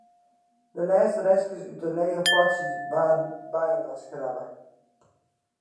De lêste restjes út de lege potsjes waarden byinoarskrabbe.